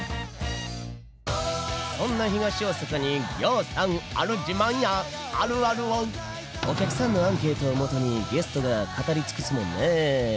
そんな東大阪にぎょうさんある自慢や「あるある」をお客さんのアンケートをもとにゲストが語り尽くすもんね。